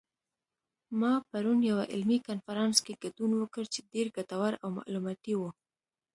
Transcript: ما پرون یوه علمي کنفرانس کې ګډون وکړ چې ډېر ګټور او معلوماتي و